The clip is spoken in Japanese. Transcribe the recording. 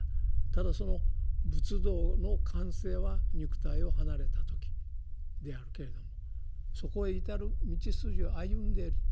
ただその仏道の完成は肉体を離れた時であるけれどもそこへ至る道筋を歩んでいる。